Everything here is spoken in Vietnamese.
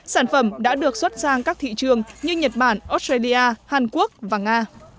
sản phẩm đã được xuất sang các thị trường như nhật bản australia hàn quốc và nga